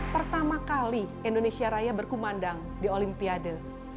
pertama kali indonesia raya berkumandang di olimpiade